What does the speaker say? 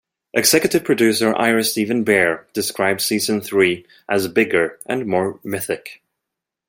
Executive Producer Ira Steven Behr described season three as bigger and more mythic.